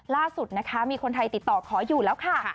ล่าสุดนะคะมีคนไทยติดต่อขออยู่แล้วค่ะ